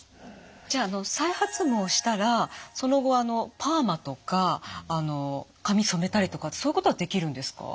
じゃああの再発毛したらその後あのパーマとか髪染めたりとかそういうことはできるんですか？